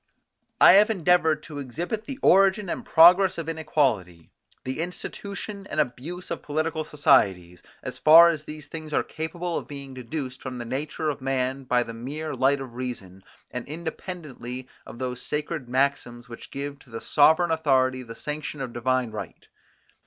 I have endeavoured to exhibit the origin and progress of inequality, the institution and abuse of political societies, as far as these things are capable of being deduced from the nature of man by the mere light of reason, and independently of those sacred maxims which give to the sovereign authority the sanction of divine right.